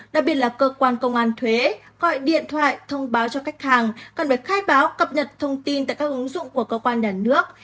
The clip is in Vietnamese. đặc biệt là cơ quan công an thuế gọi điện thoại thông báo cho khách hàng cần phải khai báo cập nhật thông tin tại các ứng dụng của cơ quan nhà nước